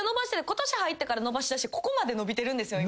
今年入ってから伸ばしだしてここまで伸びてるんですよ